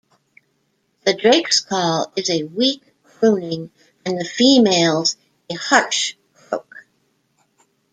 The drake's call is a weak crooning, and the female's a harsh croak.